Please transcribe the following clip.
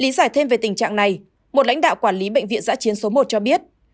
lý giải thêm về tình trạng này một lãnh đạo quản lý bệnh viện giã chiến số một cho biết